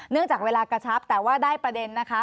จากเวลากระชับแต่ว่าได้ประเด็นนะคะ